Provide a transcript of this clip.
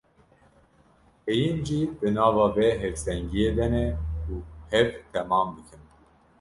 Heyîn jî di nava vê hevsengiyê de ne û hev temam dikin.